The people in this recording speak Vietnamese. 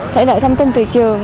sẽ đợi thông tin từ trường